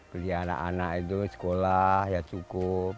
beli anak anak itu sekolah ya cukup